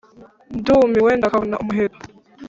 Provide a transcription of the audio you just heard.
Ndumiwe ndakavuna umuheto.